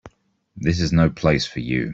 This is no place for you.